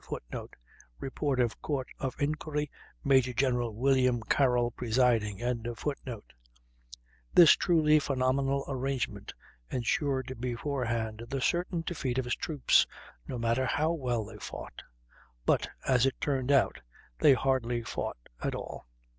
[Footnote: Report of Court of Inquiry, Maj. Gen. Wm. Carroll presiding.] This truly phenomenal arrangement ensured beforehand the certain defeat of his troops, no matter how well they fought; but, as it turned out, they hardly fought at all.